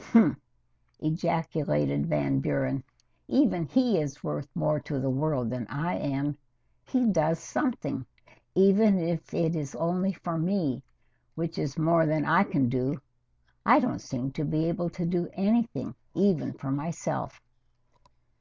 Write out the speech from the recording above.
"Humph!" ejaculated Van Buren. "Even he is worth more to the world than I am. He does something, even if it is only for me, which is more than I can do. I don't seem to be able to do anything even for myself."